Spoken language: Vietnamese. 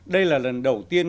đây là lần đầu tiên